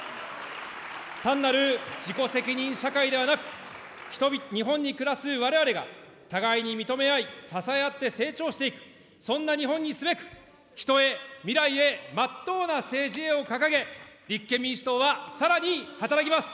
単なる自己責任社会ではなく、日本に暮らすわれわれが互いに認め合い、支え合って成長していく、そんな日本にすべく、人へ、未来へ、全うな政治絵を掲げ、立憲民主党はさらに働きます。